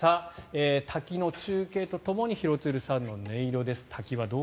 滝の中継とともに廣津留さんの音色です。